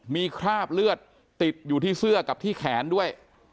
มีคราบเลือดติดอยู่ที่เสื้อกับที่แขนด้วย